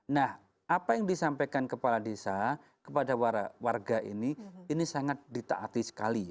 nah apa yang disampaikan kepala desa kepada warga ini ini sangat ditaati sekali